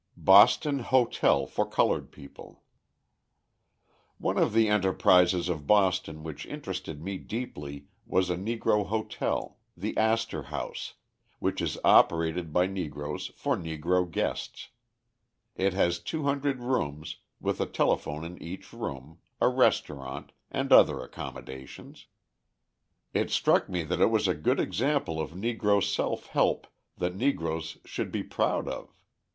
Boston Hotel for Coloured People One of the enterprises of Boston which interested me deeply was a Negro hotel, the Astor House, which is operated by Negroes for Negro guests. It has 200 rooms, with a telephone in each room, a restaurant, and other accommodations. It struck me that it was a good example of Negro self help that Negroes should be proud of.